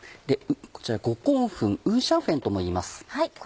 こちらは五香粉ウーシャンフェンともいいます。